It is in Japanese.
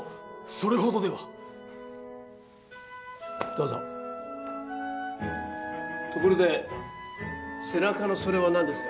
それほどではどうぞところで背中のそれは何ですか？